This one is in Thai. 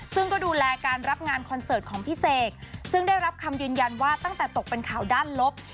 ซึ่งก็ดูแลการรับงานคอนเสิร์ตของพี่เสกซึ่งได้รับคำยืนยันว่าตั้งแต่ตกเป็นข่าวด้านลบ